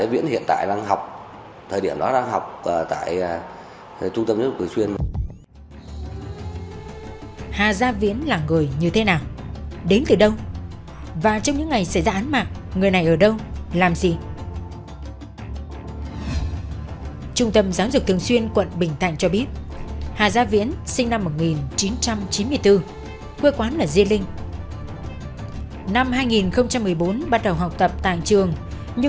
và được gia đình đưa xuống trung tâm giáo dục thường xuyên của thành phố hồ chí minh quận bình thạnh